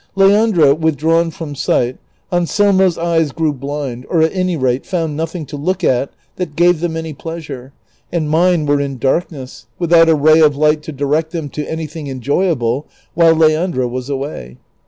Leandra withdrawn from sight, Anselmo's eyes grew blind, or at any rate found nothing to look at that gave them any jjleasure, and mine were in darkness without a ray of liglit to direct them to any thing enjoyable while Leandra was away.